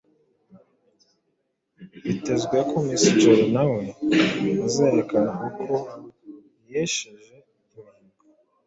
Byitezwe ko Miss Jolly nawe azerekana uko yesheje imihigo